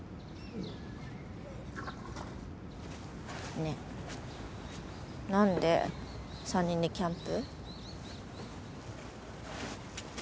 ねえなんで３人でキャンプ？